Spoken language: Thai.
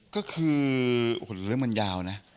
ก็คือโอ้โหเรื่องมันยาวนะ